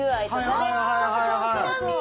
はいはいはいはい。